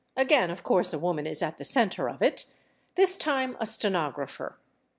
Again, of course, a woman is at the center of it—this time a stenographer.